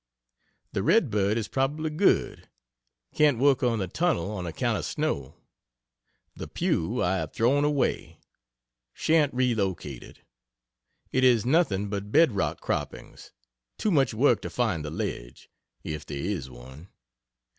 The Red Bird is probably good can't work on the tunnel on account of snow. The "Pugh" I have thrown away shan't re locate it. It is nothing but bed rock croppings too much work to find the ledge, if there is one.